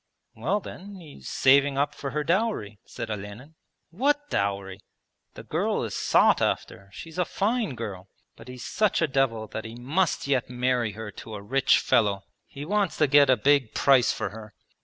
'Well then, he's saving up for her dowry,' said Olenin. 'What dowry? The girl is sought after, she's a fine girl. But he's such a devil that he must yet marry her to a rich fellow. He wants to get a big price for her.